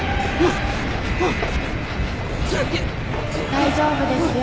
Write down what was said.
大丈夫ですよ。